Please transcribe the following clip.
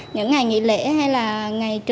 những ngày nghỉ lễ hay là ngày trưa